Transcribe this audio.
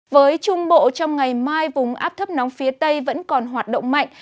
với trung bộ trong ngày mai vùng áp thấp nóng phía tây vẫn còn hoạt động mạnh